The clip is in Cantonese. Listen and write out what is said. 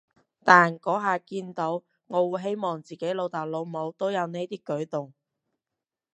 但嗰下見到，我會希望自己老豆老母都有呢啲舉動